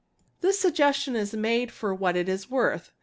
This suggestion is made for what it is worth.